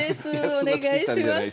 お願いします。